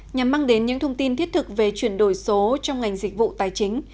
nhằm mang đến những thông tin thiết thực về chuyển đổi số trong ngành dịch vụ tài chính